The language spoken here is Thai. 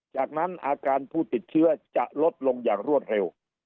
จากนั้นอาการผู้ติดเชื้อจะลดลงอย่างรวดเร็ว